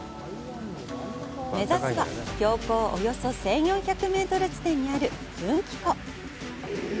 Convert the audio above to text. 目指すのは、標高およそ１４００メートル地点にある奮起湖。